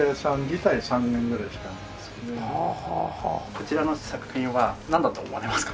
こちらの作品はなんだと思われますか？